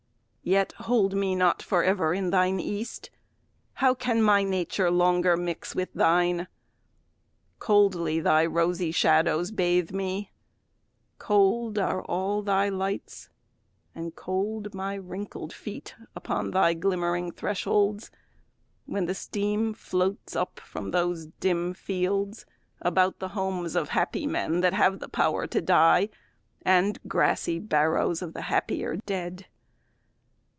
Yet hold me not for ever in thine East: How can my nature longer mix with thine? Coldly thy rosy shadows bathe me, cold Are all thy lights, and cold my wrinkled feet Upon thy glimmering thresholds, when the steam Floats up from those dim fields about the homes Of happy men that have the power to die, And grassy barrows of the happier dead.